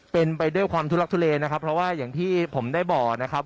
เป็นไปด้วยความทุลักทุเลนะครับเพราะว่าอย่างที่ผมได้บอกนะครับ